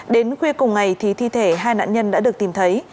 đến khuya cùng ngày thì thi thể hai nạn nhân đã được tìm thấy